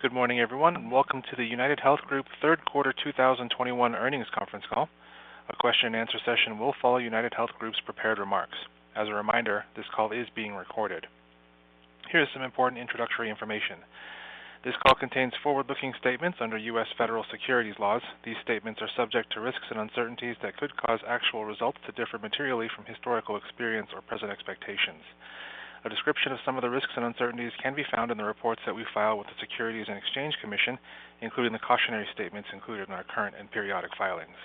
Good morning, everyone. Welcome to the UnitedHealth Group Third Quarter 2021 Earnings Conference Call. A question-and-answer session will follow UnitedHealth Group's prepared remarks. As a reminder, this call is being recorded. Here is some important introductory information. This call contains forward-looking statements under U.S. Federal Securities Laws. These statements are subject to risks and uncertainties that could cause actual results to differ materially from historical experience or present expectations. A description of some of the risks and uncertainties can be found in the reports that we file with the Securities and Exchange Commission, including the cautionary statements included in our current and periodic filings.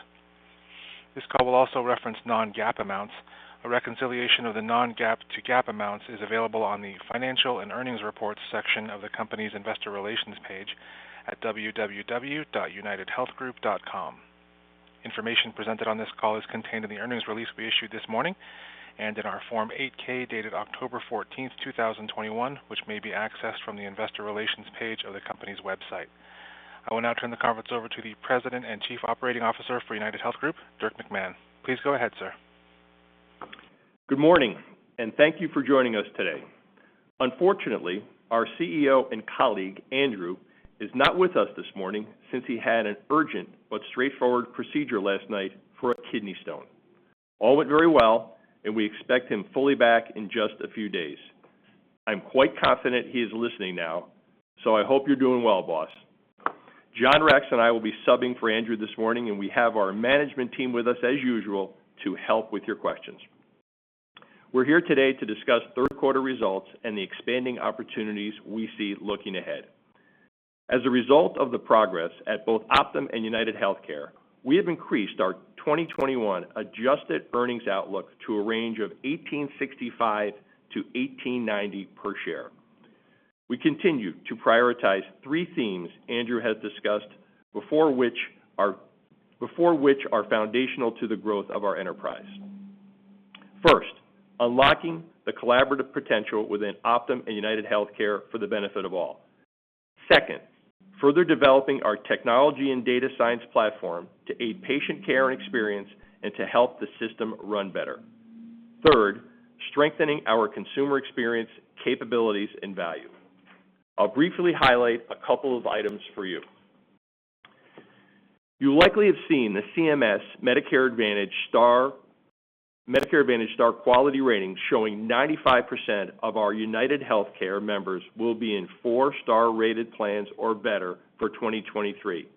This call will also reference non-GAAP amounts. A reconciliation of the non-GAAP to GAAP amounts is available on the Financial and Earnings Reports section of the company's Investor Relations page at www.unitedhealthgroup.com. Information presented on this call is contained in the earnings release we issued this morning and in our Form 8-K dated October 14th, 2021, which may be accessed from the Investor Relations page of the company's website. I will now turn the conference over to the President and Chief Operating Officer for UnitedHealth Group, Dirk McMahon. Please go ahead, sir. Good morning. Thank you for joining us today. Unfortunately, our CEO and colleague, Andrew, is not with us this morning since he had an urgent but straightforward procedure last night for a kidney stone. All went very well. We expect him fully back in just a few days. I'm quite confident he's listening now. I hope you're doing well, boss. John Rex and I will be subbing for Andrew this morning. We have our Management team with us as usual to help with your questions. We're here today to discuss third quarter results and the expanding opportunities we see looking ahead. As a result of the progress at both Optum and UnitedHealthcare, we have increased our 2021 adjusted earnings outlook to a range of $18.65-$18.90 per share. We continue to prioritize three themes Andrew has discussed before which are foundational to the growth of our enterprise. First, unlocking the collaborative potential within Optum and UnitedHealthcare for the benefit of all. Second, further developing our technology and data science platform to aid patient care and experience and to help the system run better. Third, strengthening our consumer experience, capabilities, and value. I'll briefly highlight a couple of items for you. You likely have seen the CMS Medicare Advantage Star quality rating showing 95% of our UnitedHealthcare members will be in 4-star rated plans or better for 2023,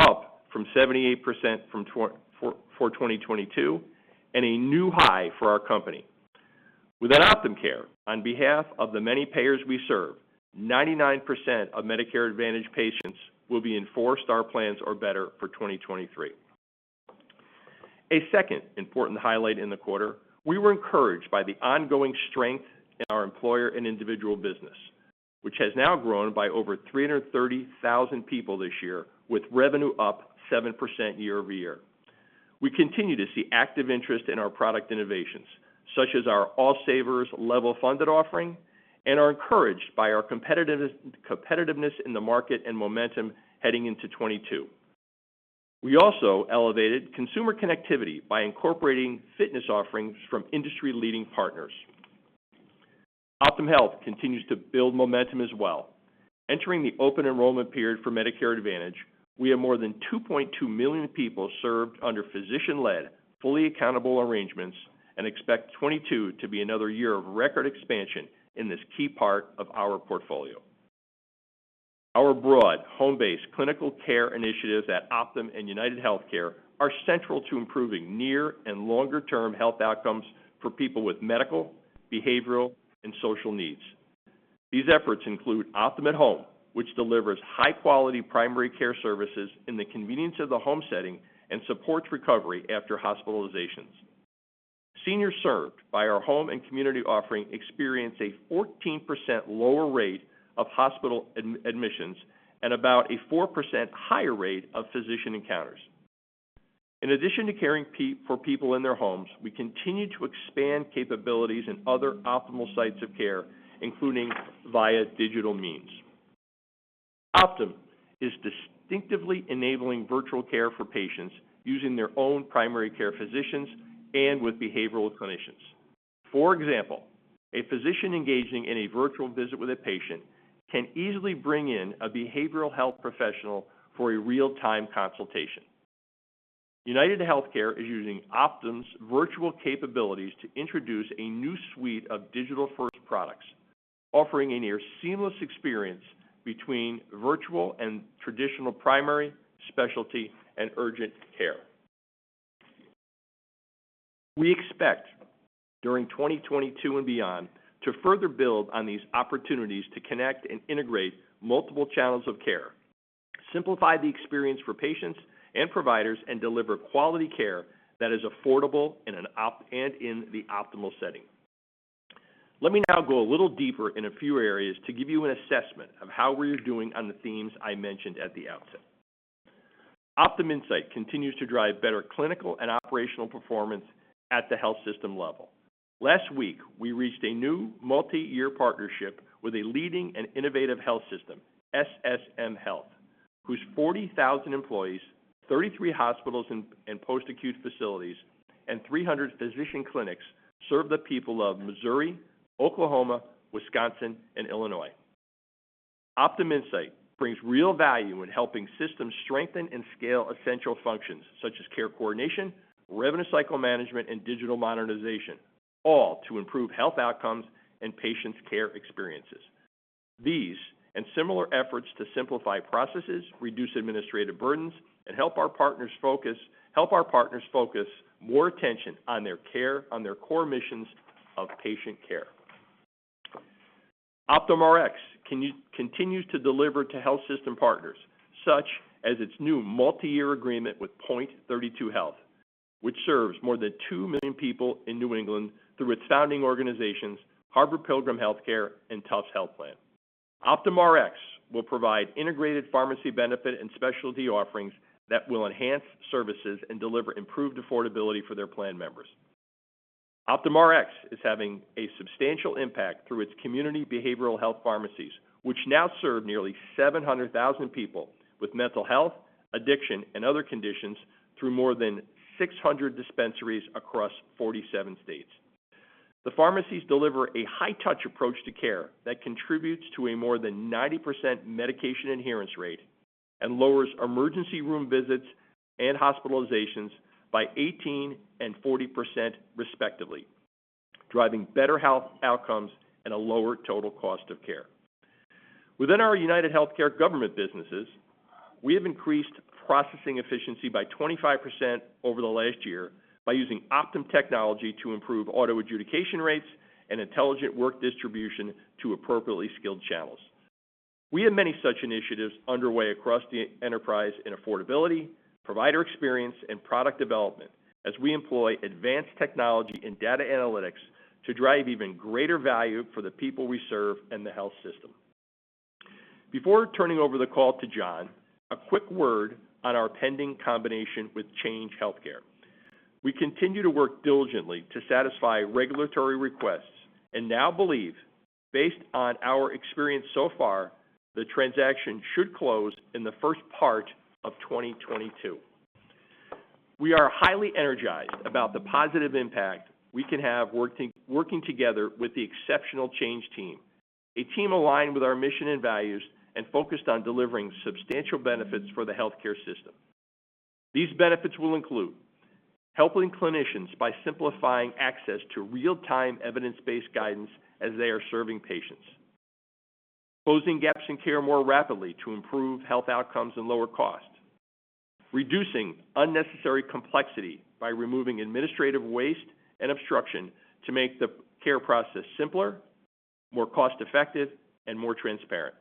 up from 78% for 2022, and a new high for our company. Within OptumCare, on behalf of the many payers we serve, 99% of Medicare Advantage patients will be in 4-star plans or better for 2023. A second important highlight in the quarter, we were encouraged by the ongoing strength in our employer and individual business, which has now grown by over 330,000 people this year, with revenue up 7% year-over-year. We continue to see active interest in our product innovations, such as our All Savers level-funded offering, and are encouraged by our competitiveness in the market and momentum heading into 2022. We also elevated consumer connectivity by incorporating fitness offerings from industry-leading partners. Optum Health continues to build momentum as well. Entering the open enrollment period for Medicare Advantage, we have more than 2.2 million people served under physician-led, fully accountable arrangements and expect 2022 to be another year of record expansion in this key part of our portfolio. Our broad home-based clinical care initiatives at Optum and UnitedHealthcare are central to improving near and longer-term health outcomes for people with medical, behavioral, and social needs. These efforts include Optum at Home, which delivers high-quality primary care services in the convenience of the home setting and supports recovery after hospitalizations. Seniors served by our home and community offering experience a 14% lower rate of hospital admissions and about a 4% higher rate of physician encounters. In addition to caring for people in their homes, we continue to expand capabilities in other optimal sites of care, including via digital means. Optum is distinctively enabling virtual care for patients using their own primary care physicians and with behavioral clinicians. For example, a physician engaging in a virtual visit with a patient can easily bring in a behavioral health professional for a real-time consultation. UnitedHealthcare is using Optum's virtual capabilities to introduce a new suite of digital-first products, offering a near seamless experience between virtual and traditional primary, specialty, and urgent care. We expect during 2022 and beyond to further build on these opportunities to connect and integrate multiple channels of care, simplify the experience for patients and providers, and deliver quality care that is affordable and in the optimal setting. Let me now go a little deeper in a few areas to give you an assessment of how we're doing on the themes I mentioned at the outset. Optum Insight continues to drive better clinical and operational performance at the health system level. Last week, we reached a new multi-year partnership with a leading and innovative health system, SSM Health, whose 40,000 employees, 33 hospitals and post-acute facilities, and 300 physician clinics serve the people of Missouri, Oklahoma, Wisconsin, and Illinois. Optum Insight brings real value in helping systems strengthen and scale essential functions such as care coordination, revenue cycle management, and digital modernization, all to improve health outcomes and patients' care experiences. These similar efforts to simplify processes, reduce administrative burdens, and help our partners focus more attention on their care, on their core missions of patient care. Optum Rx continues to deliver to health system partners, such as its new multi-year agreement with Point32Health, which serves more than 2 million people in New England through its founding organizations, Harvard Pilgrim Health Care and Tufts Health Plan. Optum Rx will provide integrated pharmacy benefit and specialty offerings that will enhance services and deliver improved affordability for their plan members. Optum Rx is having a substantial impact through its community behavioral health pharmacies, which now serve nearly 700,000 people with mental health, addiction, and other conditions through more than 600 dispensaries across 47 states. The pharmacies deliver a high-touch approach to care that contributes to a more than 90% medication adherence rate and lowers emergency room visits and hospitalizations by 18% and 40% respectively, driving better health outcomes and a lower total cost of care. Within our UnitedHealthcare government businesses, we have increased processing efficiency by 25% over the last year by using Optum technology to improve auto adjudication rates and intelligent work distribution to appropriately skilled channels. We have many such initiatives underway across the enterprise in affordability, provider experience, and product development as we employ advanced technology and data analytics to drive even greater value for the people we serve and the health system. Before turning over the call to John, a quick word on our pending combination with Change Healthcare. We continue to work diligently to satisfy regulatory requests and now believe, based on our experience so far, the transaction should close in the first part of 2022. We are highly energized about the positive impact we can have working together with the exceptional Change team, a team aligned with our mission and values, and focused on delivering substantial benefits for the healthcare system. These benefits will include helping clinicians by simplifying access to real-time evidence-based guidance as they are serving patients, closing gaps in care more rapidly to improve health outcomes and lower costs, reducing unnecessary complexity by removing administrative waste and obstruction to make the care process simpler, more cost-effective, and more transparent.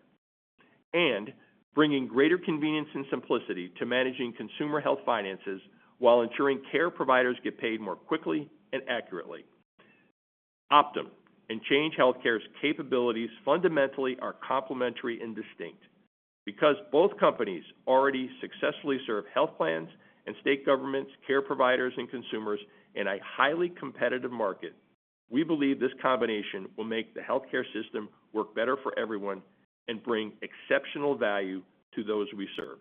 Bringing greater convenience and simplicity to managing consumer health finances while ensuring care providers get paid more quickly and accurately. Optum and Change Healthcare's capabilities fundamentally are complementary and distinct. Because both companies already successfully serve health plans and state governments, care providers, and consumers in a highly competitive market, we believe this combination will make the healthcare system work better for everyone and bring exceptional value to those we serve.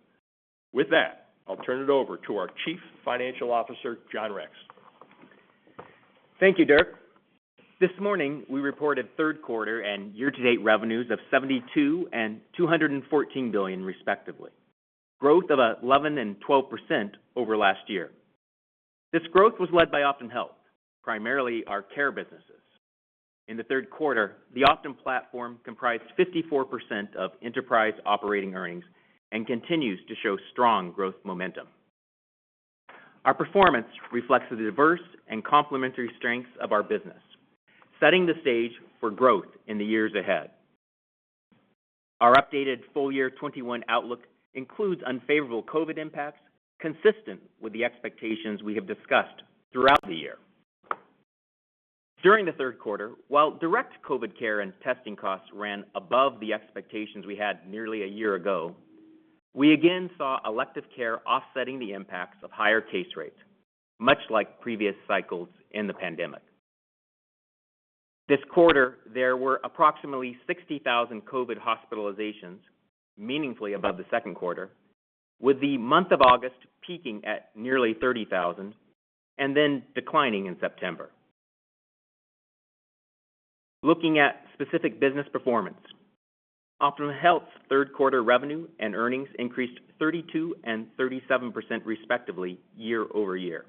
With that, I'll turn it over to our Chief Financial Officer, John Rex. Thank you, Dirk. This morning, we reported third quarter and year-to-date revenues of $72 billion and $214 billion respectively, growth of 11% and 12% over last year. This growth was led by Optum Health, primarily our care businesses. In the third quarter, the Optum platform comprised 54% of enterprise operating earnings and continues to show strong growth momentum. Our performance reflects the diverse and complementary strengths of our business, setting the stage for growth in the years ahead. Our updated full-year 2021 outlook includes unfavorable COVID impacts consistent with the expectations we have discussed throughout the year. During the third quarter, while direct COVID care and testing costs ran above the expectations we had nearly a year ago, we again saw elective care offsetting the impacts of higher case rates, much like previous cycles in the pandemic. This quarter, there were approximately 60,000 COVID hospitalizations, meaningfully above the second quarter, with the month of August peaking at nearly 30,000 and then declining in September. Looking at specific business performance, Optum Health's third quarter revenue and earnings increased 32% and 37% respectively year-over-year.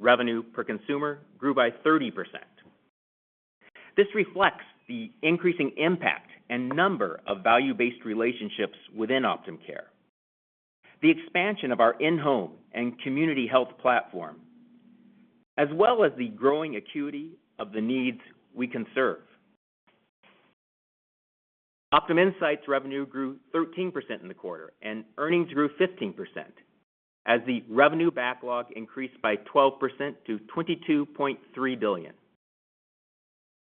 Revenue per consumer grew by 30%. This reflects the increasing impact and number of value-based relationships within Optum Care, the expansion of our in-home and community health platform, as well as the growing acuity of the needs we can serve. Optum Insight's revenue grew 13% in the quarter, and earnings grew 15%, as the revenue backlog increased by 12% to $22.3 billion.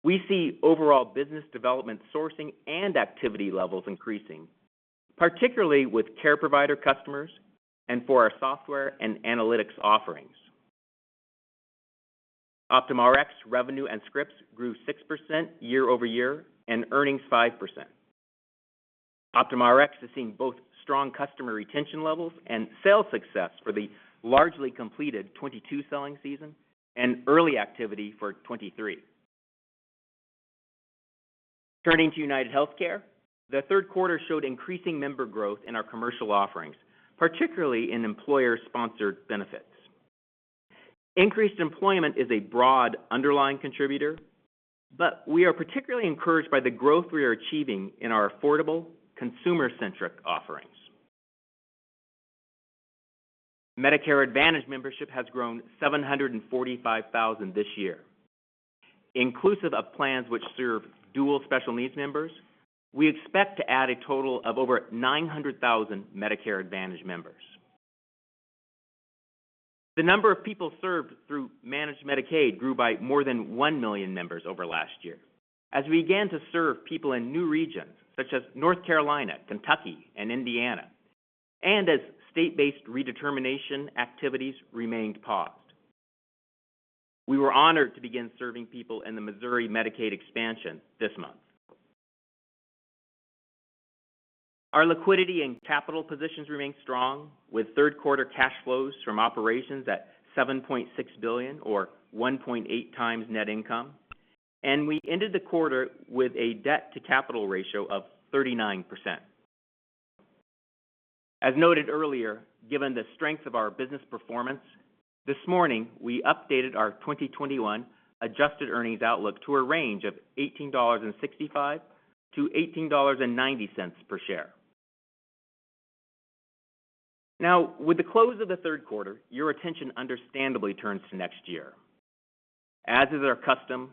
We see overall business development sourcing and activity levels increasing, particularly with care provider customers and for our software and analytics offerings. Optum Rx revenue and scripts grew 6% year-over-year, and earnings 5%. Optum Rx has seen both strong customer retention levels and sales success for the largely completed 2022 selling season, and early activity for 2023. Turning to UnitedHealthcare, the third quarter showed increasing member growth in our commercial offerings, particularly in employer-sponsored benefits. Increased employment is a broad underlying contributor, but we are particularly encouraged by the growth we are achieving in our affordable consumer-centric offerings. Medicare Advantage membership has grown 745,000 this year. Inclusive of plans which serve Dual Special Needs members, we expect to add a total of over 900,000 Medicare Advantage members. The number of people served through managed Medicaid grew by more than 1 million members over last year, as we began to serve people in new regions such as North Carolina, Kentucky, and Indiana, and as state-based redetermination activities remained paused. We were honored to begin serving people in the Missouri Medicaid expansion this month. Our liquidity and capital positions remain strong, with third quarter cash flows from operations at $7.6 billion or 1.8x net income, and we ended the quarter with a debt-to-capital ratio of 39%. As noted earlier, given the strength of our business performance, this morning we updated our 2021 adjusted earnings outlook to a range of $18.65 to $18.90 per share. With the close of the third quarter, your attention understandably turns to next year. As is our custom,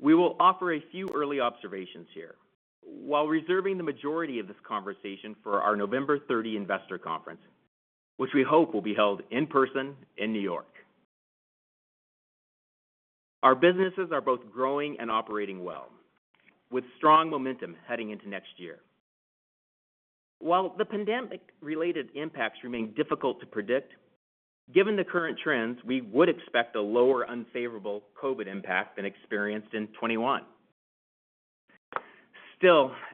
we will offer a few early observations here while reserving the majority of this conversation for our November 30 Investor Conference, which we hope will be held in person in New York. Our businesses are both growing and operating well, with strong momentum heading into next year. While the pandemic-related impacts remain difficult to predict, given the current trends, we would expect a lower unfavorable COVID impact than experienced in 2021.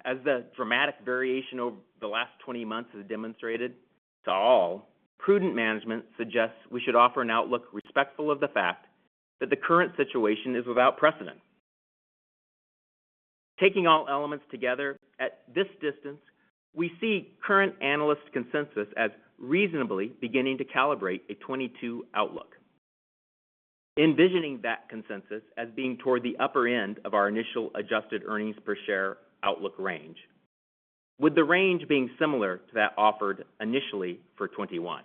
As the dramatic variation over the last 20 months has demonstrated to all, prudent management suggests we should offer an outlook respectful of the fact that the current situation is without precedent. Taking all elements together at this distance, we see current analyst consensus as reasonably beginning to calibrate a 2022 outlook. Envisioning that consensus as being toward the upper end of our initial adjusted earnings per share outlook range, with the range being similar to that offered initially for 2021.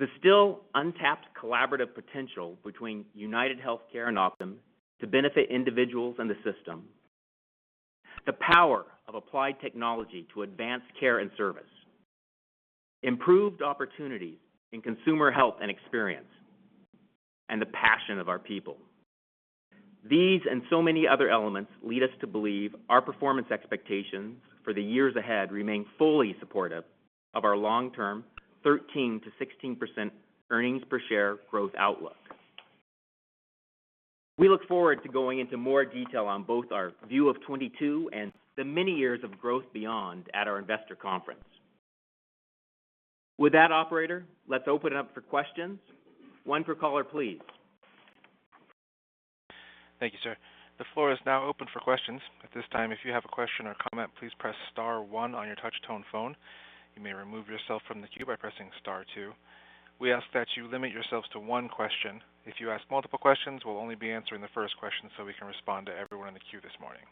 The still untapped collaborative potential between UnitedHealthcare and Optum to benefit individuals in the system, the power of applied technology to advance care and service, improved opportunities in consumer health and experience, and the passion of our people. These and so many other elements lead us to believe our performance expectations for the years ahead remain fully supportive of our long-term 13%-16% earnings per share growth outlook. We look forward to going into more detail on both our view of 2022 and the many years of growth beyond at our investor conference. With that operator, let's open it up for questions. One per caller, please. Thank you, sir. The floor is now open for questions. We ask that you limit yourselves to 1 question. If you ask multiple questions, we'll only be answering the first question so we can respond to everyone in the queue this morning.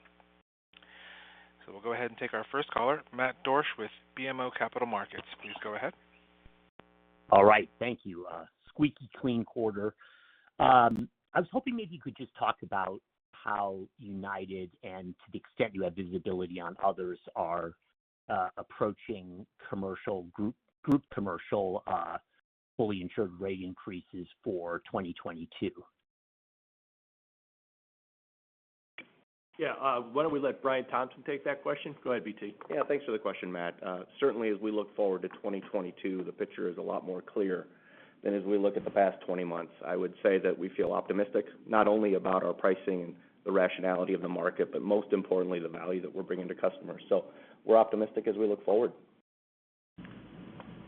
We'll go ahead and take our first caller, Matt Borsch with BMO Capital Markets. Please go ahead. All right. Thank you. Squeaky clean quarter. I was hoping maybe you could just talk about how United, and to the extent you have visibility on others, are approaching group commercial fully insured rate increases for 2022? Yeah. Why don't we let Brian Thompson take that question? Go ahead, BT. Yeah. Thanks for the question, Matt. Certainly, as we look forward to 2022, the picture is a lot more clear than as we look at the past 20 months. I would say that we feel optimistic not only about our pricing and the rationality of the market, but most importantly, the value that we're bringing to customers. We're optimistic as we look forward.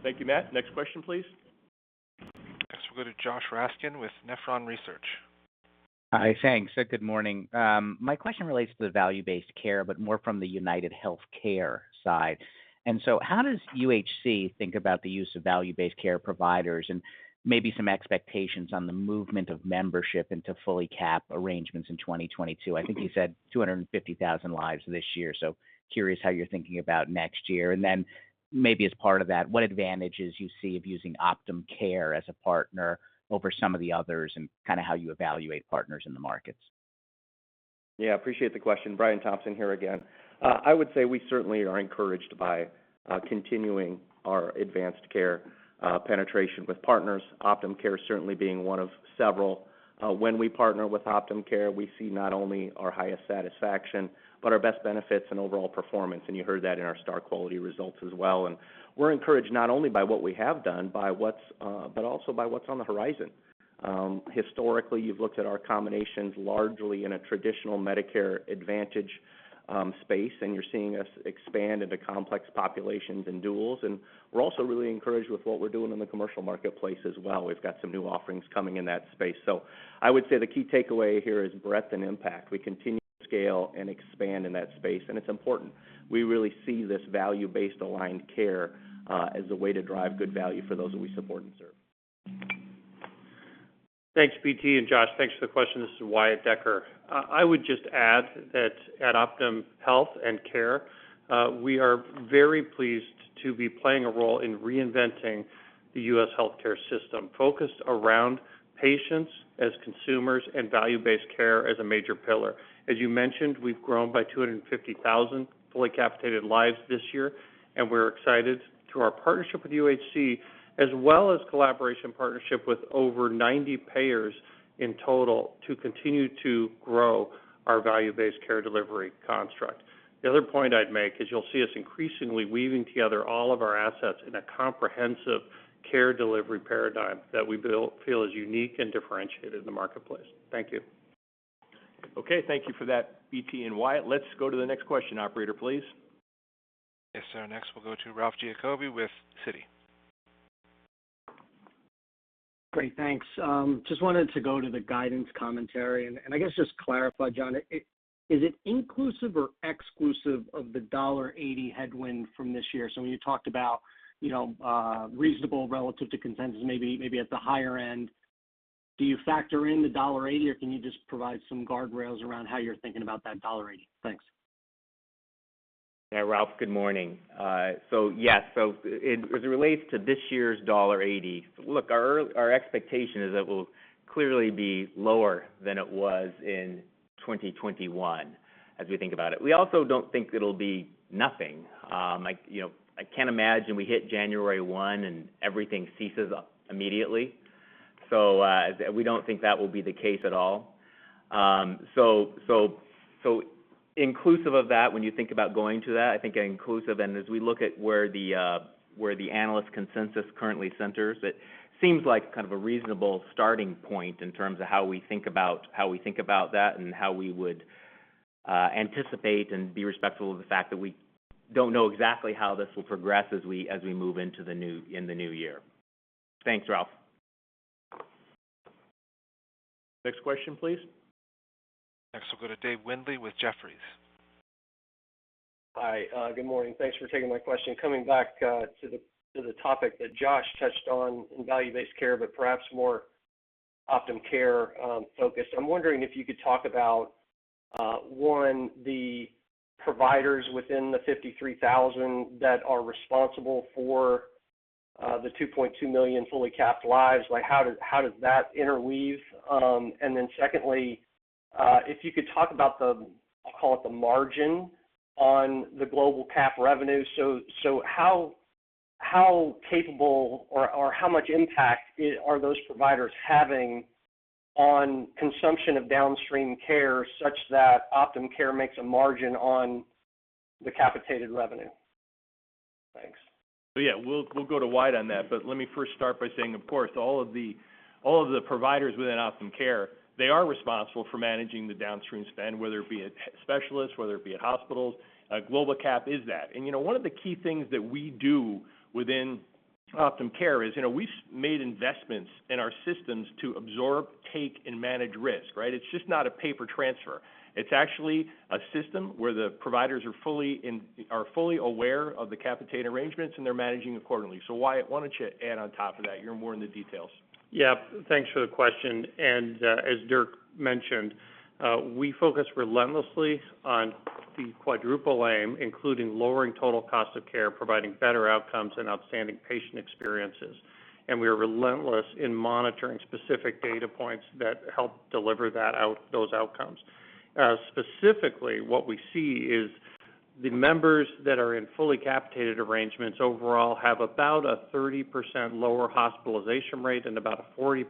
Thank you, Matt. Next question, please. Yes, we'll go to Josh Raskin with Nephron Research. Hi. Thanks. Good morning. My question relates to the value-based care, but more from the UnitedHealthcare side. How does UnitedHealthcare think about the use of value-based care providers, and maybe some expectations on the movement of membership into fully capped arrangements in 2022? I think you said 250,000 lives this year, so curious how you're thinking about next year, and then maybe as part of that, what advantages you see of using Optum Care as a partner over some of the others, and how you evaluate partners in the markets. Yeah, appreciate the question. Brian Thompson here again. I would say we certainly are encouraged by continuing our advanced care penetration with partners, Optum Care certainly being one of several. When we partner with Optum Care, we see not only our highest satisfaction, but our best benefits and overall performance, and you heard that in our star quality results as well. We're encouraged not only by what we have done, but also by what's on the horizon. Historically, you've looked at our combinations largely in a traditional Medicare Advantage space, and you're seeing us expand into complex populations and duals, and we're also really encouraged with what we're doing in the commercial marketplace as well. We've got some new offerings coming in that space. I would say the key takeaway here is breadth and impact. We continue to scale and expand in that space, and it's important. We really see this value-based aligned care, as a way to drive good value for those that we support and serve. Thanks, BT. Josh, thanks for the question. This is Wyatt Decker. I would just add that at Optum Health and Care, we are very pleased to be playing a role in reinventing the U.S. healthcare system, focused around patients as consumers and value-based care as a major pillar. As you mentioned, we've grown by 250,000 fully capitated lives this year, and we're excited through our partnership with UHC, as well as collaboration partnership with over 90 payers in total to continue to grow our value-based care delivery construct. The other point I'd make is you'll see us increasingly weaving together all of our assets in a comprehensive care delivery paradigm that we feel is unique and differentiated in the marketplace. Thank you. Thank you for that, BT and Wyatt. Let's go to the next question, operator, please. Yes, sir. Next, we'll go to Ralph Giacobbe with Citi. Great, thanks. Just wanted to go to the guidance commentary, I guess just clarify, John, is it inclusive or exclusive of the $1.80 headwind from this year? When you talked about reasonable relative to consensus, maybe at the higher end, do you factor in the $1.80, or can you just provide some guardrails around how you're thinking about that $1.80? Thanks. Yeah, Ralph, good morning. Yes, as it relates to this year's $1.80, look, our expectation is that we'll clearly be lower than it was in 2021 as we think about it. We also don't think it'll be nothing. I can't imagine we hit January 1 and everything ceases immediately. We don't think that will be the case at all. Inclusive of that, when you think about going to that, I think inclusive, and as we look at where the analyst consensus currently centers, it seems like kind of a reasonable starting point in terms of how we think about that and how we would anticipate and be respectful of the fact that we don't know exactly how this will progress as we move into the New year. Thanks, Ralph. Next question, please. Next, we'll go to Dave Windley with Jefferies. Hi, good morning. Thanks for taking my question. Coming back to the topic that Josh touched on in value-based care, but perhaps more Optum Care focused, I'm wondering if you could talk about, one, the providers within the 53,000 that are responsible for the 2.2 million fully capped lives. How does that interweave? Secondly, if you could talk about the, I'll call it the margin on the global cap revenue. How capable or how much impact are those providers having on consumption of downstream care such that Optum Care makes a margin on the capitated revenue? Thanks. Yeah, we'll go to Wyatt on that, but let me first start by saying, of course, all of the providers within Optum Care, they are responsible for managing the downstream spend, whether it be at specialists, whether it be at hospitals. Global capitation is that. One of the key things that we do within Optum Care is we've made investments in our systems to absorb, take, and manage risk, right? It's just not a paper transfer. It's actually a system where the providers are fully aware of the capitated arrangements, and they're managing accordingly. Wyatt, why don't you add on top of that? You're more in the details. Yeah. Thanks for the question. As Dirk mentioned, we focus relentlessly on the Quadruple Aim, including lowering total cost of care, providing better outcomes and outstanding patient experiences. We are relentless in monitoring specific data points that help deliver those outcomes. Specifically, what we see is the members that are in fully capitated arrangements overall have about a 30% lower hospitalization rate and about a 40%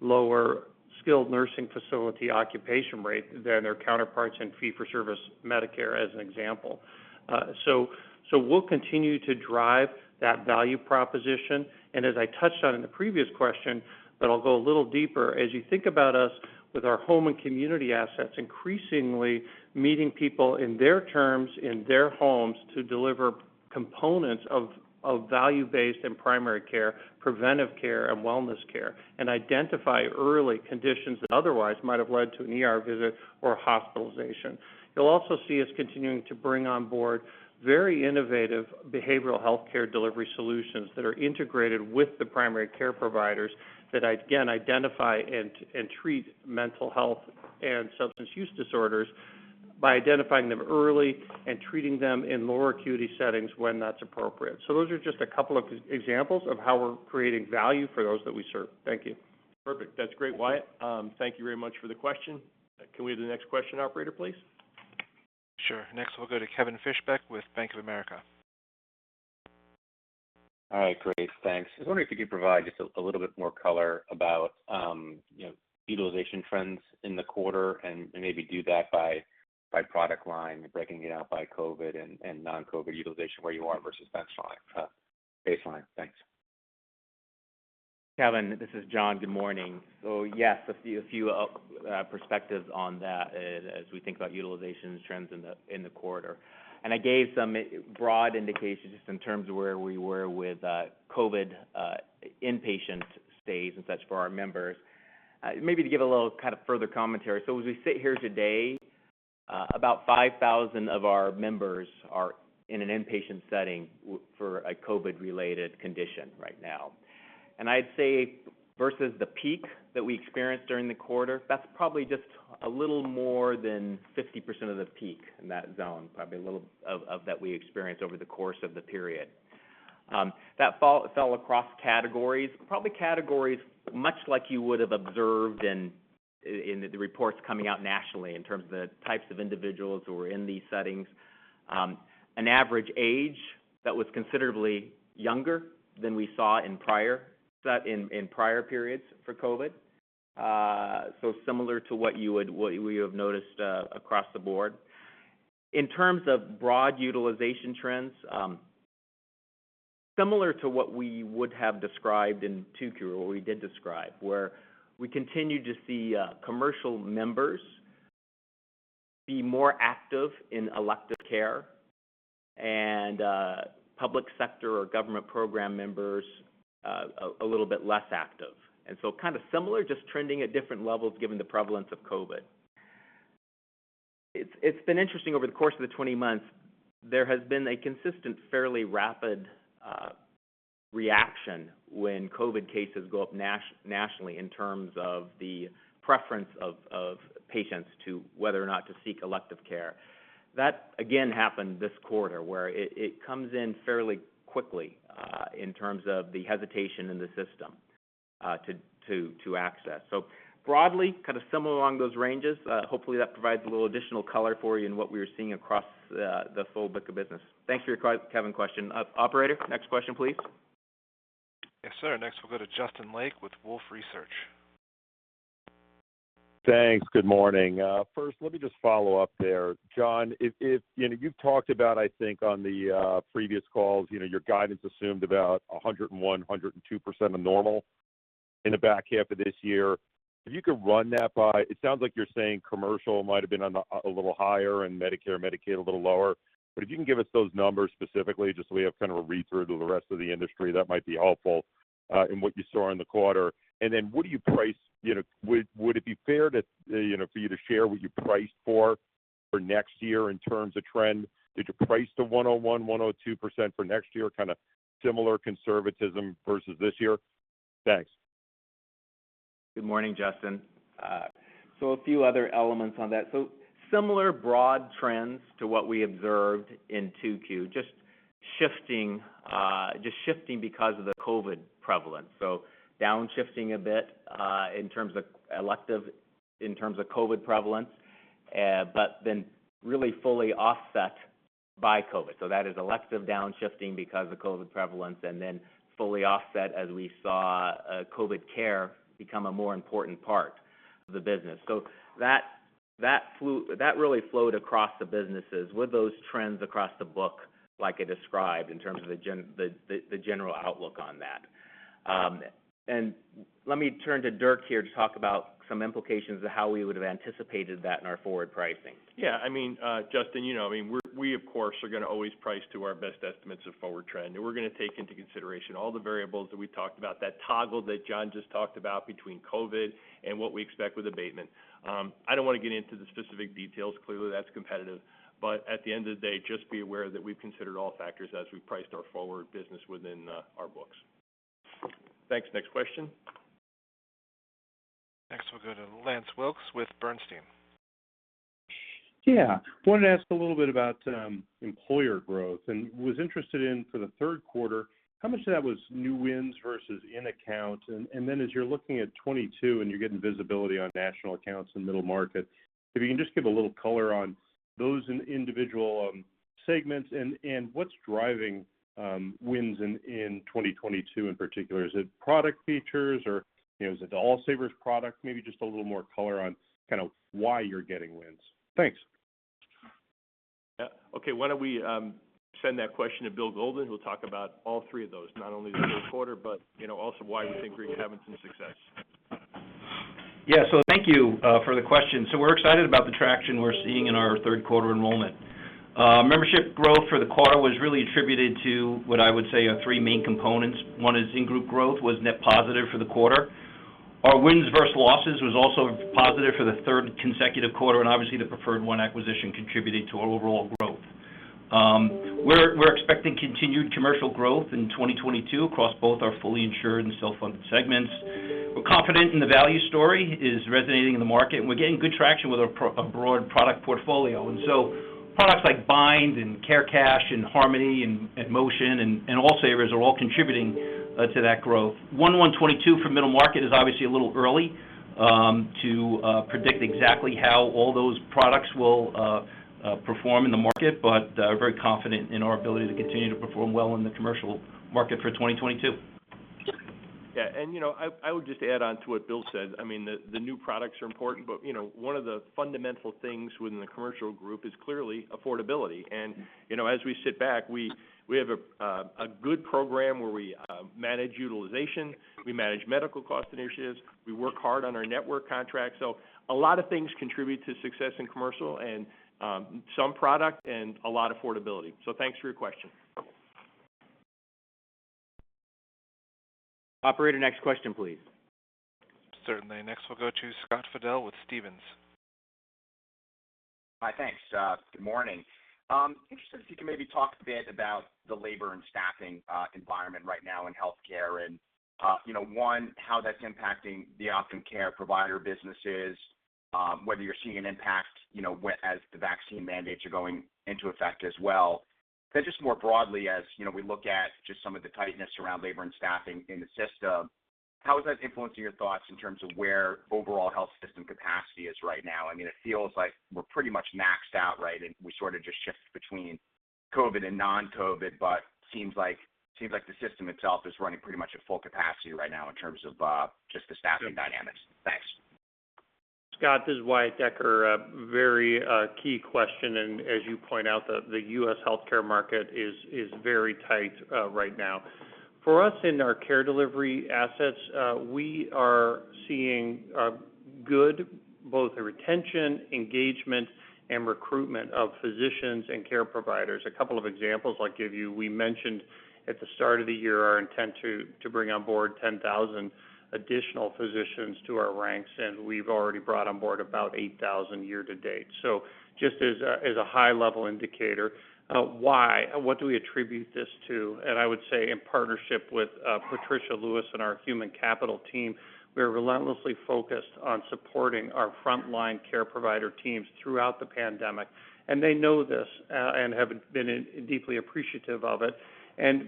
lower skilled nursing facility occupation rate than their counterparts in fee-for-service Medicare, as an example. We'll continue to drive that value proposition, and as I touched on in the previous question, but I'll go a little deeper, as you think about us with our home and community assets, increasingly meeting people in their terms, in their homes to deliver components of value-based care and primary care, preventive care, and wellness care, and identify early conditions that otherwise might have led to an ER visit or hospitalization. You'll also see us continuing to bring on board very innovative behavioral healthcare delivery solutions that are integrated with the primary care providers that, again, identify and treat mental health and substance use disorders. By identifying them early and treating them in lower acuity settings when that's appropriate. Those are just a couple of examples of how we're creating value for those that we serve. Thank you. Perfect. That's great, Wyatt. Thank you very much for the question. Can we have the next question, operator, please? Sure. Next, we'll go to Kevin Fischbeck with Bank of America. All right, great. Thanks. I was wondering if you could provide just a little bit more color about utilization trends in the quarter, maybe do that by product line, breaking it out by COVID and non-COVID utilization, where you are versus baseline. Thanks. Kevin, this is John. Good morning. Yes, a few perspectives on that as we think about utilization trends in the quarter. I gave some broad indications just in terms of where we were with COVID inpatient stays and such for our members. Maybe to give a little kind of further commentary, so as we sit here today, about 5,000 of our members are in an inpatient setting for a COVID-related condition right now. I'd say versus the peak that we experienced during the quarter, that's probably just a little more than 50% of the peak in that zone, probably a little of that we experienced over the course of the period. That fell across categories, probably categories much like you would have observed in the reports coming out nationally in terms of the types of individuals who were in these settings. An average age that was considerably younger than we saw in prior periods for COVID. Similar to what you have noticed across the board. In terms of broad utilization trends, similar to what we would have described in 2Q, or what we did describe, where we continue to see commercial members be more active in elective care and public sector or government program members a little bit less active. Kind of similar, just trending at different levels given the prevalence of COVID. It's been interesting over the course of the 20 months, there has been a consistent, fairly rapid reaction when COVID cases go up nationally in terms of the preference of patients to whether or not to seek elective care. That, again, happened this quarter, where it comes in fairly quickly in terms of the hesitation in the system to access. Broadly, kind of similar along those ranges. Hopefully that provides a little additional color for you in what we are seeing across the full book of business. Thanks for your Kevin question. Operator, next question, please. Yes, sir. Next, we'll go to Justin Lake with Wolfe Research. Thanks. Good morning. First, let me just follow up there. John, you've talked about, I think, on the previous calls, your guidance assumed about 101%-102% of normal in the back half of this year. If you could run that by. It sounds like you're saying commercial might have been a little higher and Medicare, Medicaid a little lower. If you can give us those numbers specifically, just so we have kind of a read-through to the rest of the industry, that might be helpful in what you saw in the quarter. Would it be fair for you to share what you priced for next year in terms of trend? Did you price to 101%-102% for next year, kind of similar conservatism versus this year? Thanks. Good morning, Justin. A few other elements on that. Similar broad trends to what we observed in 2Q, just shifting because of the COVID prevalence. Downshifting a bit in terms of COVID prevalence, but then really fully offset by COVID. That is elective downshifting because of COVID prevalence, and then fully offset as we saw COVID care become a more important part of the business. That really flowed across the businesses with those trends across the book like I described in terms of the general outlook on that. Let me turn to Dirk here to talk about some implications of how we would have anticipated that in our forward pricing. Yeah, Justin, we, of course, are going to always price to our best estimates of forward trend, and we're going to take into consideration all the variables that we talked about, that toggle that John just talked about between COVID and what we expect with abatement. I don't want to get into the specific details. Clearly, that's competitive. At the end of the day, just be aware that we've considered all factors as we priced our forward business within our books. Thanks. Next question. Next, we'll go to Lance Wilkes with Bernstein. Yeah. Wanted to ask a little bit about employer growth, and was interested in, for the third quarter, how much of that was new wins versus in-account. Then as you're looking at 2022, and you're getting visibility on national accounts and middle market, if you can just give a little color on those individual segments and what's driving wins in 2022 in particular. Is it product features or is it the All Savers product? Maybe just a little more color on kind of why you're getting wins. Thanks. Okay. Why don't we send that question to Bill Golden, who'll talk about all three of those, not only the third quarter, but also why we think we're having some success. Yeah. Thank you for the question. We're excited about the traction we're seeing in our third quarter enrollment. Membership growth for the quarter was really attributed to what I would say are three main components. One is in-group growth was net positive for the quarter. Our wins versus losses was also positive for the third consecutive quarter, and obviously the PreferredOne acquisition contributed to our overall growth. We're expecting continued commercial growth in 2022 across both our fully insured and self-funded segments. We're confident in the value story is resonating in the market, and we're getting good traction with our broad product portfolio. Products like Bind and Care Cash, and Harmony, and Motion, and All Savers are all contributing to that growth. 1/1/2022 for middle market is obviously a little early to predict exactly how all those products will perform in the market. We're very confident in our ability to continue to perform well in the commercial market for 2022. Yeah. I would just add on to what Bill said, the new products are important, but one of the fundamental things within the commercial group is clearly affordability. As we sit back, we have a good program where we manage utilization, we manage medical cost initiatives, we work hard on our network contracts. A lot of things contribute to success in commercial, and some product, and a lot affordability. Thanks for your question. Operator, next question, please. Certainly. Next we'll go to Scott Fidel with Stephens. Hi, thanks. Good morning. I'm interested if you can maybe talk a bit about the labor and staffing environment right now in healthcare, one, how that's impacting the Optum Care provider businesses, whether you're seeing an impact as the vaccine mandates are going into effect as well. Just more broadly, as we look at just some of the tightness around labor and staffing in the system, how is that influencing your thoughts in terms of where overall health system capacity is right now? It feels like we're pretty much maxed out, right. We sort of just shift between COVID and non-COVID, but seems like the system itself is running pretty much at full capacity right now in terms of just the staffing dynamics. Thanks. Scott, this is Wyatt Decker. A very key question. As you point out, the U.S. healthcare market is very tight right now. For us, in our care delivery assets, we are seeing good both retention, engagement, and recruitment of physicians and care providers. A couple of examples I'll give you. We mentioned at the start of the year our intent to bring on board 10,000 additional physicians to our ranks. We've already brought on board about 8,000 year to date. Just as a high level indicator. Why? What do we attribute this to? I would say in partnership with Patricia Lewis and our human capital team, we're relentlessly focused on supporting our frontline care provider teams throughout the pandemic, and they know this, and have been deeply appreciative of it.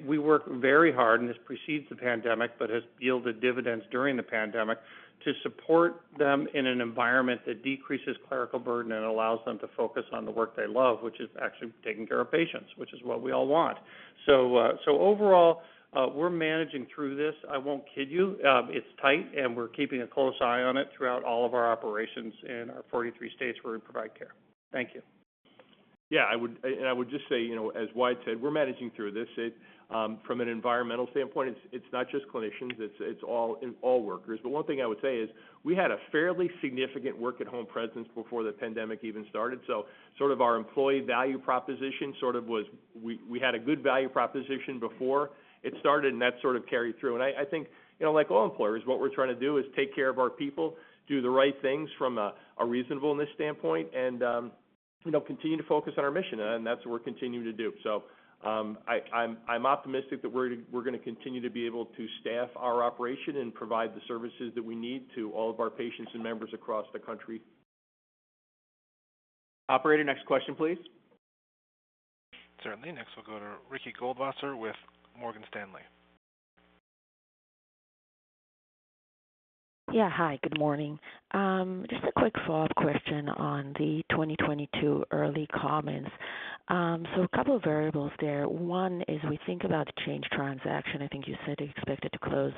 We work very hard, and this precedes the pandemic, but has yielded dividends during the pandemic, to support them in an environment that decreases clerical burden and allows them to focus on the work they love, which is actually taking care of patients, which is what we all want. Overall, we're managing through this. I won't kid you, it's tight, and we're keeping a close eye on it throughout all of our operations in our 43 states where we provide care. Thank you. Yeah, I would just say, as Wyatt said, we're managing through this. From an environmental standpoint, it's not just clinicians, it's all workers. One thing I would say is we had a fairly significant work at home presence before the pandemic even started, our employee value proposition sort of was we had a good value proposition before it started, that sort of carried through. I think, like all employers, what we're trying to do is take care of our people, do the right things from a reasonableness standpoint, and continue to focus on our mission, and that's what we're continuing to do. I'm optimistic that we're going to continue to be able to staff our operation and provide the services that we need to all of our patients and members across the country. Operator, next question, please. Certainly. We'll go to Ricky Goldwasser with Morgan Stanley. Yeah, hi. Good morning. Just a quick follow-up question on the 2022 early comments. A couple of variables there. One is we think about the Change transaction. I think you said you expect it to close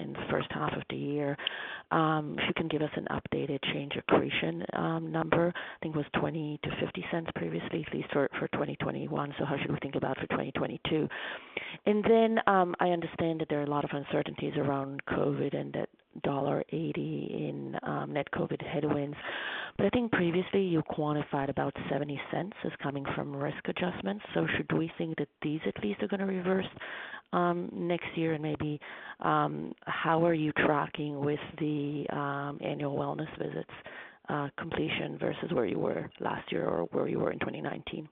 in the first half of the year. If you can give us an updated Change accretion number, I think it was $0.20 to $0.50 previously, at least for 2021. How should we think about for 2022? I understand that there are a lot of uncertainties around COVID, and that $1.80 in net COVID headwinds, but I think previously you quantified about $0.70 as coming from risk adjustments. Should we think that these at least are going to reverse next year? Maybe, how are you tracking with the annual wellness visits completion versus where you were last year or where you were in 2019?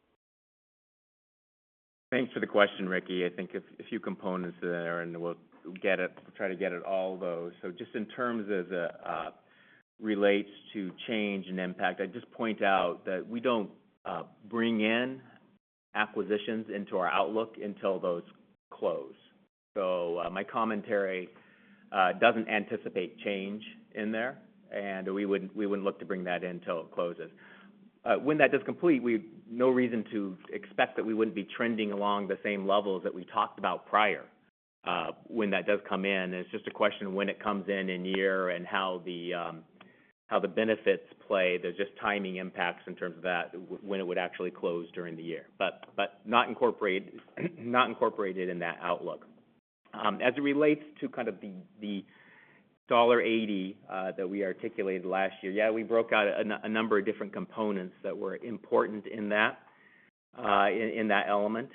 Thanks for the question, Ricky. I think a few components there, and we'll try to get at all those. Just in terms of relates to Change and impact, I'd just point out that we don't bring in acquisitions into our outlook until those close. My commentary doesn't anticipate Change in there, and we wouldn't look to bring that in until it closes. When that does complete, we've no reason to expect that we wouldn't be trending along the same levels that we talked about prior, when that does come in, and it's just a question of when it comes in year, and how the benefits play. There's just timing impacts in terms of that, when it would actually close during the year. Not incorporated in that outlook. As it relates to kind of the $1.80 that we articulated last year, yeah, we broke out a number of different components that were important in that element.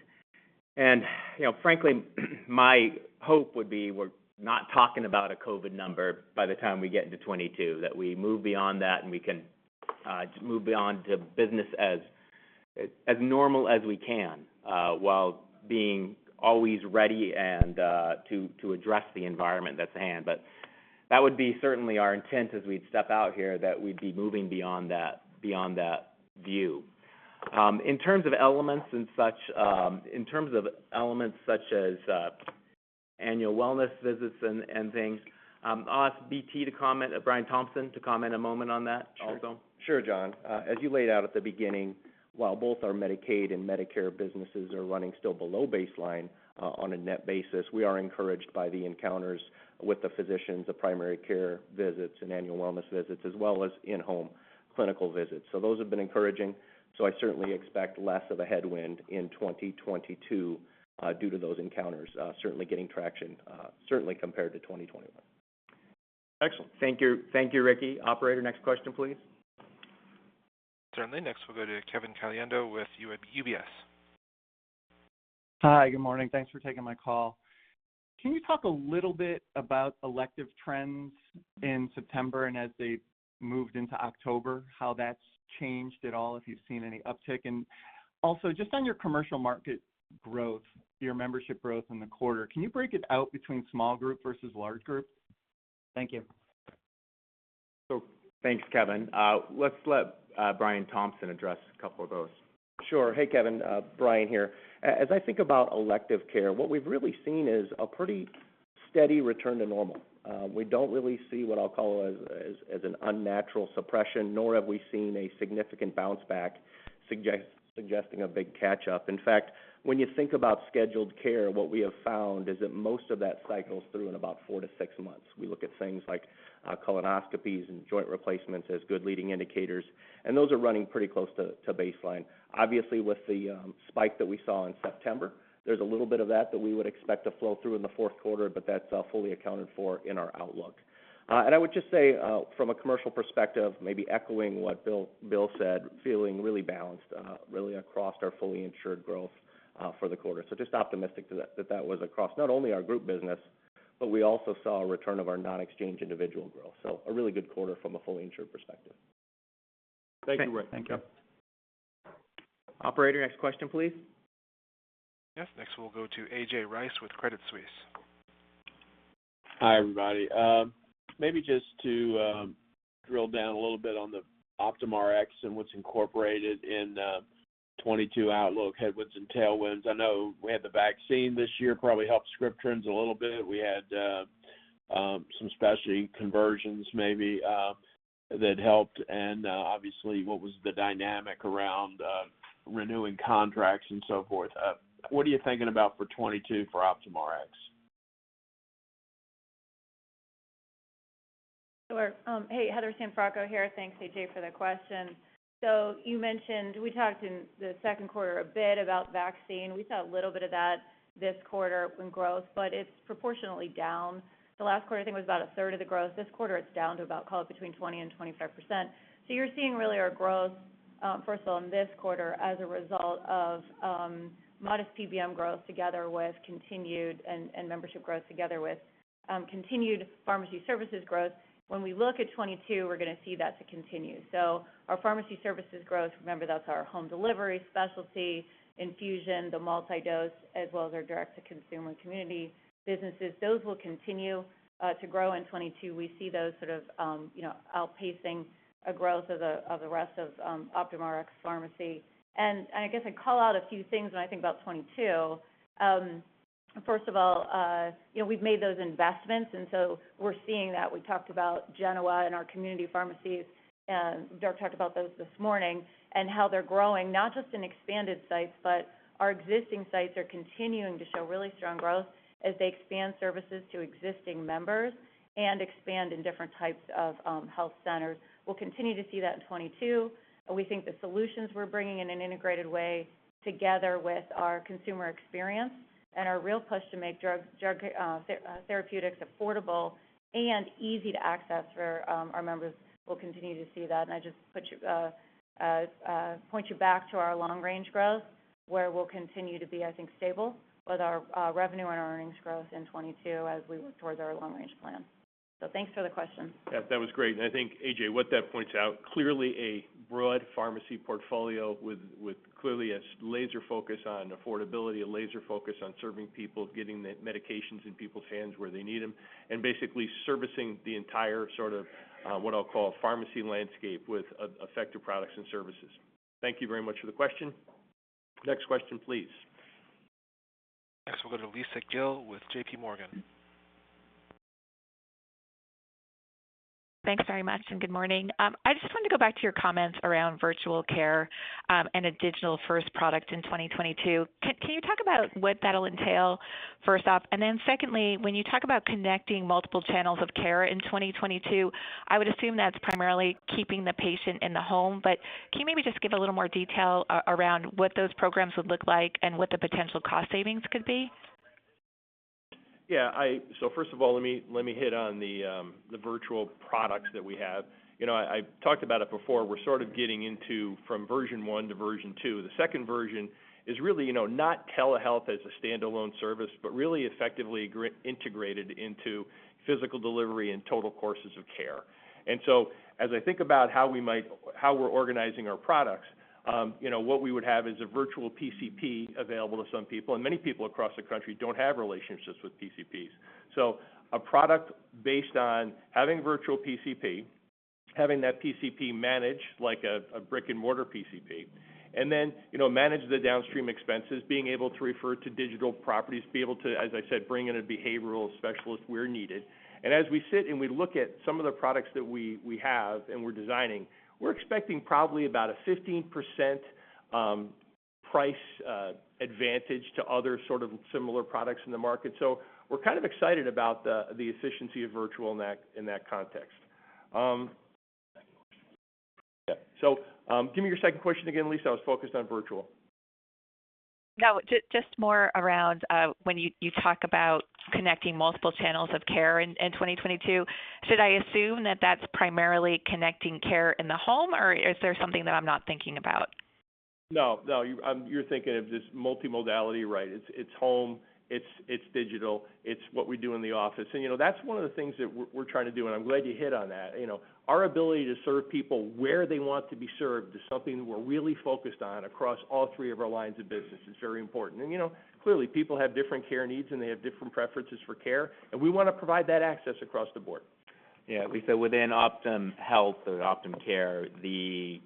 Frankly, my hope would be we're not talking about a COVID number by the time we get into 2022, that we move beyond that, and we can just move on to business as normal as we can, while being always ready to address the environment that's at hand. That would be certainly our intent as we step out here, that we'd be moving beyond that view. In terms of elements such as annual wellness visits and things, I'll ask BT to comment, Brian Thompson, to comment a moment on that also. Sure, John. As you laid out at the beginning, while both our Medicaid and Medicare businesses are running still below baseline on a net basis, we are encouraged by the encounters with the physicians, the primary care visits, and annual wellness visits, as well as in-home clinical visits. Those have been encouraging. I certainly expect less of a headwind in 2022 due to those encounters certainly getting traction, certainly compared to 2021. Excellent. Thank you, Ricky. Operator, next question, please. Certainly. Next we'll go to Kevin Caliendo with UBS. Hi, good morning. Thanks for taking my call. Can you talk a little bit about elective trends in September and as they've moved into October, how that's changed at all, if you've seen any uptick? Also, just on your commercial market growth, your membership growth in the quarter, can you break it out between small group versus large group? Thank you. Thanks, Kevin. Let's let Brian Thompson address a couple of those. Sure. Hey, Kevin. Brian here. I think about elective care, what we've really seen is a pretty steady return to normal. We don't really see what I'll call as an unnatural suppression, nor have we seen a significant bounce back suggesting a big catch-up. When you think about scheduled care, what we have found is that most of that cycles through in about four to six months. We look at things like colonoscopies and joint replacements as good leading indicators, those are running pretty close to baseline. With the spike that we saw in September, there's a little bit of that that we would expect to flow through in the fourth quarter, that's fully accounted for in our outlook. I would just say, from a commercial perspective, maybe echoing what Bill said, feeling really balanced, really across our fully insured growth for the quarter. Just optimistic that that was across not only our group business, but we also saw a return of our non-exchange individual growth. A really good quarter from a fully insured perspective. Thank you, Dirk. Thank you. Operator, next question, please. Yes, next we'll go to A.J. Rice with Credit Suisse. Hi, everybody. Maybe just to drill down a little bit on the Optum Rx and what's incorporated in the 2022 outlook, headwinds and tailwinds. I know we had the vaccine this year, probably helped script trends a little bit. Obviously, what was the dynamic around renewing contracts and so forth. What are you thinking about for 2022 for Optum Rx? Sure. Hey, Heather Cianfrocco here. Thanks, A.J., for the question. You mentioned, we talked in the second quarter a bit about vaccine. We saw a little bit of that this quarter in growth, but it's proportionately down. The last quarter, I think, was about a third of the growth. This quarter, it's down to about call it between 20%-25%. You're seeing really our growth, first of all, in this quarter as a result of modest PBM growth together with continued, and membership growth together with continued pharmacy services growth. When we look at 2022, we're going to see that continue. Our pharmacy services growth, remember, that's our home delivery, specialty, infusion, the multi-dose, as well as our direct-to-consumer community businesses. Those will continue to grow in 2022. We see those sort of outpacing growth of the rest of Optum Rx pharmacy. I guess I'd call out a few things when I think about 2022. First of all, we've made those investments, we're seeing that. We talked about Genoa and our community pharmacies, Dirk talked about those this morning, how they're growing, not just in expanded sites, but our existing sites are continuing to show really strong growth as they expand services to existing members and expand in different types of health centers. We'll continue to see that in 2022. We think the solutions we're bringing in an integrated way, together with our consumer experience and our real push to make therapeutics affordable and easy to access for our members, we'll continue to see that. I just point you back to our long-range growth, where we'll continue to be, I think, stable with our revenue and our earnings growth in 2022 as we work towards our long-range plan. Thanks for the question. Yeah, that was great. I think, A.J., what that points out, clearly a broad pharmacy portfolio with clearly a laser focus on affordability, a laser focus on serving people, getting the medications in people's hands where they need them, and basically servicing the entire sort of what I'll call pharmacy landscape with effective products and services. Thank you very much for the question. Next question, please. Next, we'll go to Lisa Gill with JPMorgan. Thanks very much, and good morning. I just wanted to go back to your comments around virtual care and a digital-first product in 2022. Can you talk about what that'll entail, first off? Then secondly, when you talk about connecting multiple channels of care in 2022, I would assume that's primarily keeping the patient in the home, but can you maybe just give a little more detail around what those programs would look like and what the potential cost savings could be? Yeah. First of all, let me hit on the virtual products that we have. I talked about it before. We're sort of getting into from version 1 to version 2. The second version is really not telehealth as a standalone service, but really effectively integrated into physical delivery and total courses of care. As I think about how we're organizing our products, what we would have is a virtual PCP available to some people, and many people across the country don't have relationships with PCPs. A product based on having virtual PCP, having that PCP managed like a brick-and-mortar PCP, and then manage the downstream expenses, being able to refer to digital properties, be able to, as I said, bring in a behavioral specialist where needed. As we sit and we look at some of the products that we have and we're designing, we're expecting probably about a 15% price advantage to other sort of similar products in the market. We're kind of excited about the efficiency of virtual in that context. Yeah. Give me your second question again, Lisa. I was focused on virtual. Just more around when you talk about connecting multiple channels of care in 2022, should I assume that that's primarily connecting care in the home, or is there something that I'm not thinking about? No, you're thinking of this multimodality, right. It's home, it's digital, it's what we do in the office. That's one of the things that we're trying to do, and I'm glad you hit on that. Our ability to serve people where they want to be served is something we're really focused on across all three of our lines of business. It's very important. Clearly, people have different care needs, and they have different preferences for care, and we want to provide that access across the board. Yeah, Lisa, within Optum Health or Optum Care, the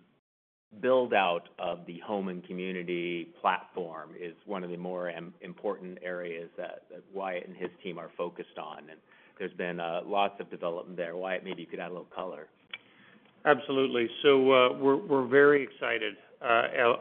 build-out of the home and community platform is one of the more important areas that Wyatt and his team are focused on, and there's been lots of development there. Wyatt, maybe you could add a little color. Absolutely. We're very excited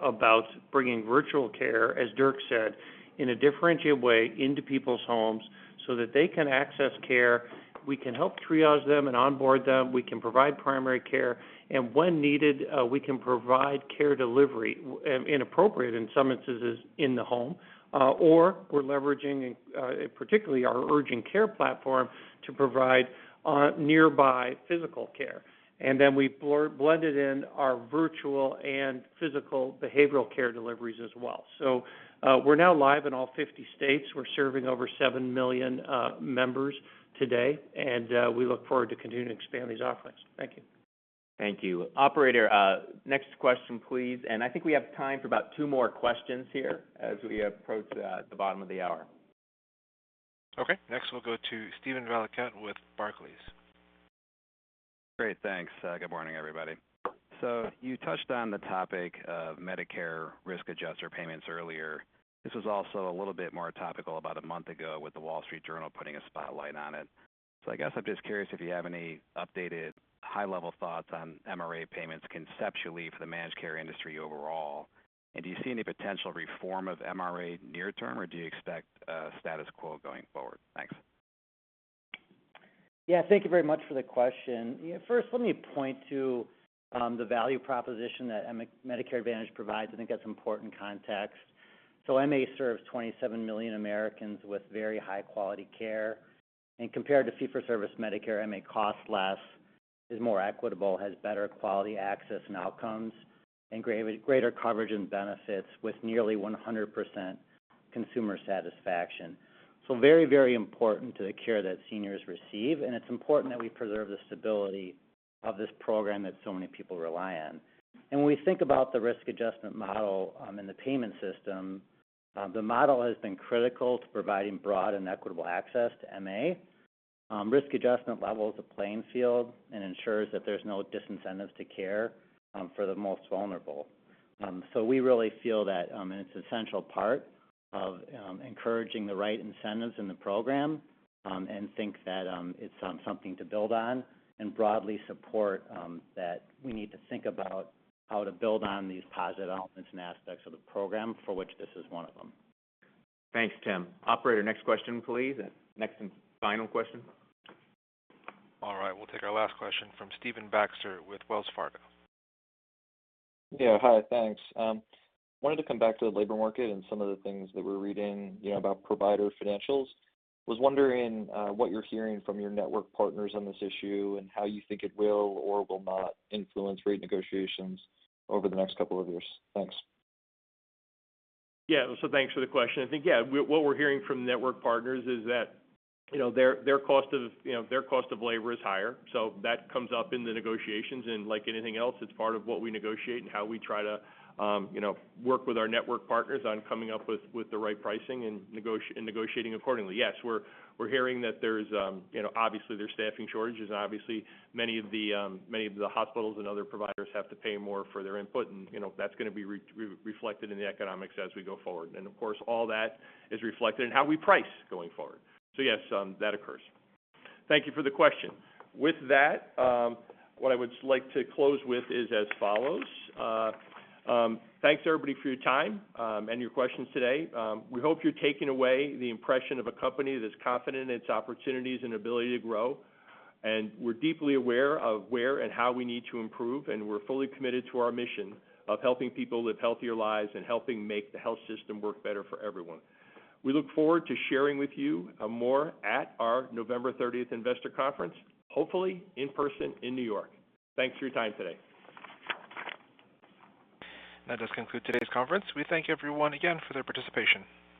about bringing virtual care, as Dirk said, in a differentiated way into people's homes so that they can access care. We can help triage them and onboard them. We can provide primary care, and when needed, we can provide care delivery, [inappropriate] in some instances, in the home. We're leveraging, particularly our urgent care platform, to provide nearby physical care. We blended in our virtual and physical behavioral care deliveries as well. We're now live in all 50 states. We're serving over 7 million members today, and we look forward to continuing to expand these offerings. Thank you. Thank you. Operator, next question, please. I think we have time for about two more questions here as we approach the bottom of the hour. Okay, next we'll go to Steven Valiquette with Barclays. Great. Thanks. Good morning, everybody. You touched on the topic of Medicare risk adjuster payments earlier. This was also a little bit more topical about a month ago with The Wall Street Journal putting a spotlight on it. I guess I'm just curious if you have any updated high-level thoughts on MRA payments conceptually for the managed care industry overall, and do you see any potential reform of MRA near term, or do you expect status quo going forward? Thanks. Thank you very much for the question. First, let me point to the value proposition that Medicare Advantage provides. I think that's important context. MA serves 27 million Americans with very high-quality care, compared to fee-for-service Medicare, MA costs less, is more equitable, has better quality access and outcomes, and greater coverage and benefits with nearly 100% consumer satisfaction. Very important to the care that seniors receive, and it's important that we preserve the stability of this program that so many people rely on. When we think about the risk adjustment model in the payment system, the model has been critical to providing broad and equitable access to MA. Risk adjustment levels the playing field and ensures that there's no disincentives to care for the most vulnerable. We really feel that it's an essential part of encouraging the right incentives in the program and think that it's something to build on and broadly support that we need to think about how to build on these positive elements and aspects of the program, for which this is one of them. Thanks, Tim. Operator, next question, please. Next and final question. All right. We'll take our last question from Stephen Baxter with Wells Fargo. Yeah, hi. Thanks. Wanted to come back to the labor market and some of the things that we're reading about provider financials. Was wondering what you're hearing from your network partners on this issue and how you think it will or will not influence rate negotiations over the next couple of years. Thanks. Thanks for the question. What we're hearing from network partners is that their cost of labor is higher. That comes up in the negotiations, and like anything else, it's part of what we negotiate and how we try to work with our network partners on coming up with the right pricing and negotiating accordingly. Yes, we're hearing that obviously there's staffing shortages, and obviously many of the hospitals and other providers have to pay more for their input, and that's going to be reflected in the economics as we go forward. Of course, all that is reflected in how we price going forward. Yes, that occurs. Thank you for the question. With that, what I would like to close with is as follows. Thanks, everybody, for your time and your questions today. We hope you're taking away the impression of a company that's confident in its opportunities and ability to grow. We're deeply aware of where and how we need to improve, and we're fully committed to our mission of helping people live healthier lives and helping make the health system work better for everyone. We look forward to sharing with you more at our November 30th investor conference, hopefully in person in New York. Thanks for your time today. That does conclude today's conference. We thank everyone again for their participation.